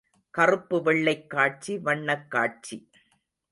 கறுப்பு வெள்ளைக் காட்சி, வண்ணக் காட்சி.